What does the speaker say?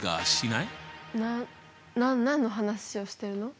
な何の話をしてるの？